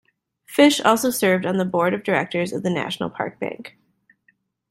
Fish also served on the board of directors of the National Park Bank.